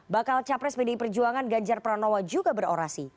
bakal capres pdi perjuangan ganjar pranowo juga berorasi